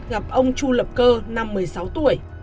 gặp ông chu lập cơ năm một mươi sáu tuổi